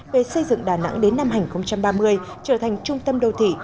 về xây dựng đà nẵng đến năm hai nghìn ba mươi trở thành trung tâm đô thị